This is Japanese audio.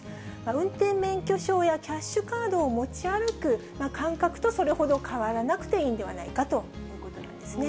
運転免許証やキャッシュカードを持ち歩く感覚とそれほど変わらなくていいんではないかということなんですね。